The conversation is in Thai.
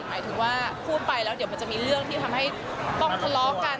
หมายถึงว่าพูดไปแล้วเดี๋ยวมันจะมีเรื่องที่ทำให้ต้องทะเลาะกัน